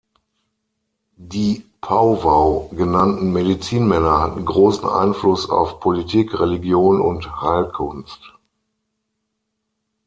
Die Powwow genannten Medizinmänner hatten großen Einfluss auf Politik, Religion und Heilkunst.